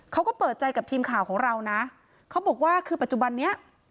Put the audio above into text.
เขาก็เปิดใจกับทีมข่าวของเรานะเขาบอกว่าคือปัจจุบันนี้